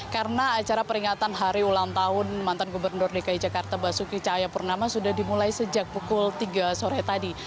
karena acara peringatan hari ulang tahun mantan gubernur dki jakarta basuki cahaya purnama sudah dimulai sejak pukul tiga sore tadi